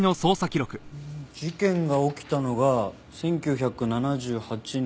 事件が起きたのが１９７８年４０年前。